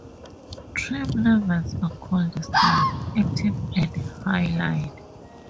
Trim levels are called Style, Active and Highline.